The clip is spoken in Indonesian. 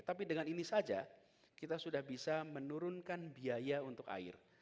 tapi dengan ini saja kita sudah bisa menurunkan biaya untuk air